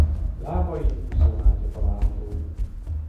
Lábain úszóhártya található.